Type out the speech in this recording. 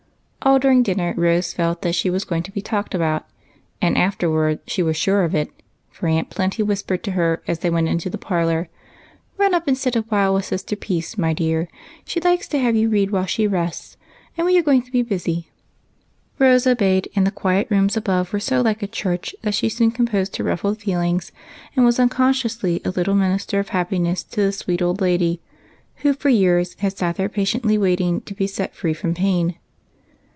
ALL dinner time Rose felt that she was going to be talked about, and afterward she was sure of it, for Aunt Plenty whispered to her as they went into the parlor, —" Run up and sit awhile with Sister Peace, my dear. She likes to have you read while she rests, and we are going to be busy." Rose obeyed, and the quiet rooms above were so like a church that she soon composed her ruffled feel ings, and was unconsciously a little minister of happi ness to the sweet old lady, who for years had sat there patiently waiting to be set free from pain.